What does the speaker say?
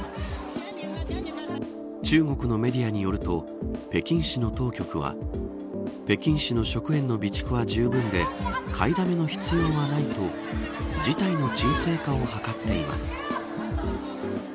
中国のメディアによると北京市の当局は北京市の食塩の備蓄はじゅうぶんで買いだめの必要はないと事態の沈静化を図っています。